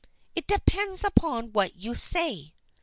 " It depends upon what you say."